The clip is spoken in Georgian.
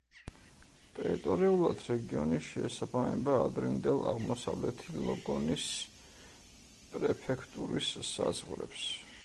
ტერიტორიულად რეგიონი შეესაბამება ადრინდელ აღმოსავლეთი ლოგონის პრეფექტურის საზღვრებს.